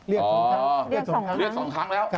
เรียก๒ครั้งเรียกสองครั้งแล้ว